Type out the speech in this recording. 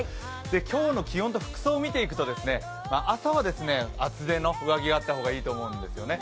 今日の気温と服装を見ていきますと、朝は厚手の上着があった方がいいんですよね。